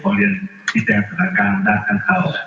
ผมเรียนพิจารณ์สถานการณ์ด้านข้างเข้า